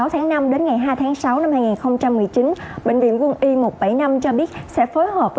trong những giờ suốt hôm